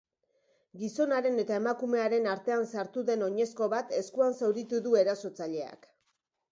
Gizonaren eta emakumearen artean sartu den oinezko bat eskuan zauritu du erasotzaileak.